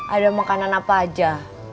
ada makanan apa aja